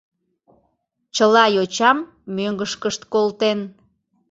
Чыла йочам мӧҥгышкышт колтен.